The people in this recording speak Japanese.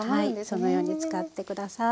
はいそのように使って下さい。